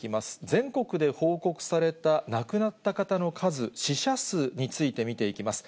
全国で報告された亡くなった方の数、死者数について見ていきます。